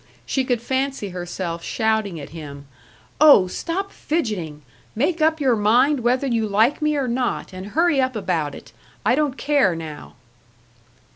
She could fancy herself shouting at him, "Oh, stop fidgeting! Make up your mind whether you like me or not, and hurry up about it. I don't care now."